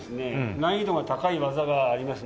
難易度が高い技がありますので。